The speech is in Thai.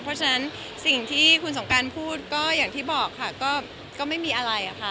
เพราะฉะนั้นสิ่งที่คุณสงการพูดก็อย่างที่บอกค่ะก็ไม่มีอะไรค่ะ